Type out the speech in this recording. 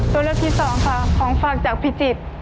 ส่วนละที่๒ค่ะของฝากจากพิจิตร